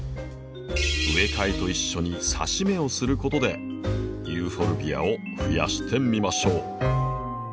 植え替えと一緒にさし芽をすることでユーフォルビアをふやしてみましょう。